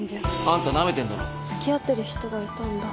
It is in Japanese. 「あんたなめてんだろ」「付き合ってる人がいたんだ」